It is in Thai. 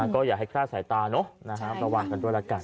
ก็อย่าให้กล้าใส่ตานะระวังกันด้วยแล้วกัน